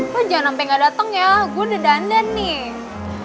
lo jangan sampe nggak dateng ya gue udah dandan nih